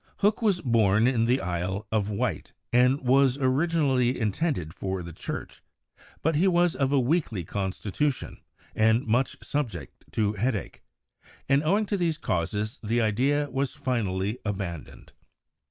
Hooke was born in the Isle of Wight and was originally intended for the Church, but he was of a weakly consti tution, and much subject to headache, and owing to these causes the idea was finally abandoned.